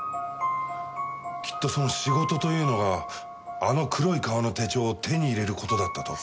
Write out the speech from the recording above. きっとその「仕事」というのがあの黒い革の手帳を手に入れる事だったと？